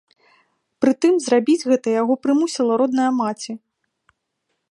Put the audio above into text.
Прытым зрабіць гэта яго прымусіла родная маці.